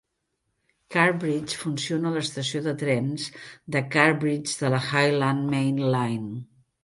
Carrbridge funciona a l'estació de trens de Carrbridge de la Highland Main Line.